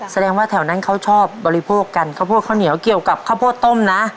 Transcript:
แสดงว่าแถวนั้นเขาชอบบริโภคกันข้าวโพดข้าวเหนียวเกี่ยวกับข้าวโพดต้มนะ